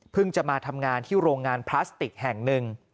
จะมาทำงานที่โรงงานพลาสติกแห่งหนึ่ง